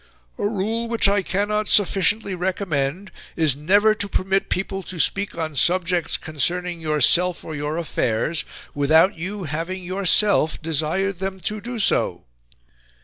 "A rule which I cannot sufficiently recommend is NEVER TO PERMIT people to speak on subjects concerning yourself or your affairs, without you having yourself desired them to do so."